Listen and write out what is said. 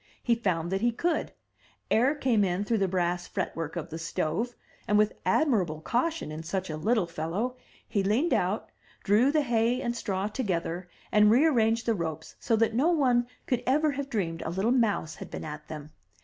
He found that he could; air came in through the brass fret work of the stove; and with admirable caution in such a little fellow, he leaned out, drew the hay and straw together, and rearranged the ropes, so that no one could ever have dreamed a little mouse had been at them.